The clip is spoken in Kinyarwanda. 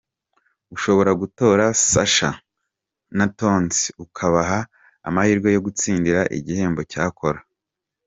Ushobora gutora Sasha na Tonzi ukabaha amahirwe yo gutsindira igihembo cya kora